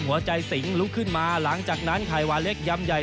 ใจสิงลุกขึ้นมาหลังจากนั้นไขวาเล็กยำใหญ่